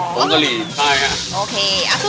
ผงกะหรี่ใช่ฮะโอเค